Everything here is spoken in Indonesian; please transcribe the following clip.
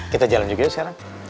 kita jalan juga yuk sekarang